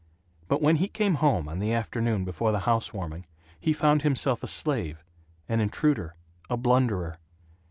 But when he came home on the afternoon before the housewarming he found himself a slave, an intruder, a blunderer.